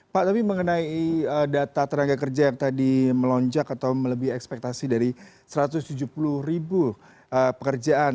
pak tapi mengenai data tenaga kerja yang tadi melonjak atau melebih ekspektasi dari satu ratus tujuh puluh ribu pekerjaan